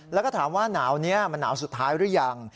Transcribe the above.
แล้วก็ถามว่าหนาวนี้มันหนาวสุดท้ายหรือยัง